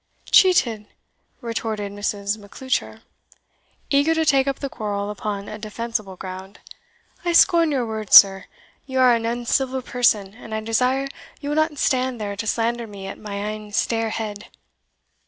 "Cheated!" retorted Mrs. Macleuchar, eager to take up the quarrel upon a defensible ground; "I scorn your words, sir: you are an uncivil person, and I desire you will not stand there, to slander me at my ain stair head."